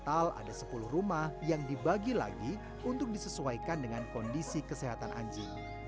total ada sepuluh rumah yang dibagi lagi untuk disesuaikan dengan kondisi kesehatan anjing